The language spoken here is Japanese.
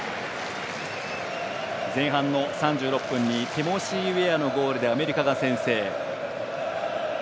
前半の３６分にティモシー・ウェアのゴールでアメリカが先制。